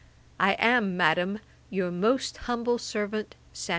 I am, Madam, 'Your most humble servant, 'SAM.